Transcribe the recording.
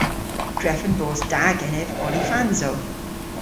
Drefen bos da genev olifansow.